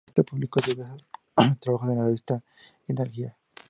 Como genealogista publicó diversos trabajos en la revista Hidalguía.